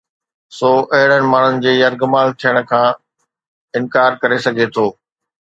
سو اهڙن ماڻهن جي يرغمال ٿيڻ کان انڪار ڪري سگهي ٿو.